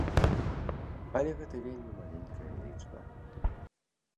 Але гэта вельмі маленькая лічба.